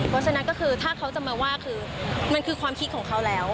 เพราะฉะนั้นก็คือถ้าเขาจะมาว่าคือมันคือความคิดของเขาแล้ว